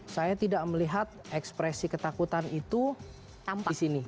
saya tidak melihat ekspresi ketakutan itu di sini